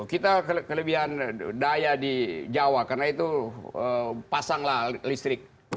kita kelebihan daya di jawa karena itu pasanglah listrik